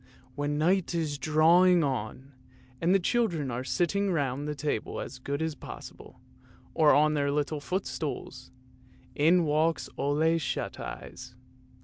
When night is drawing on, and the children are sitting round the table as good as possible, or on their little footstools, in walks Ole Shut eyes.